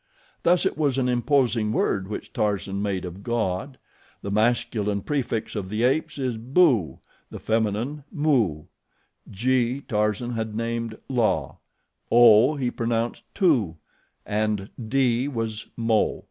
Thus it was an imposing word which Tarzan made of GOD. The masculine prefix of the apes is BU, the feminine MU; g Tarzan had named LA, o he pronounced TU, and d was MO.